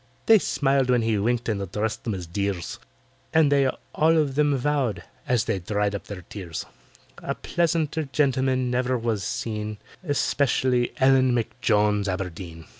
They smiled when he winked and addressed them as "dears," And they all of them vowed, as they dried up their tears, A pleasanter gentleman never was seen— Especially ELLEN M'JONES ABERDEEN.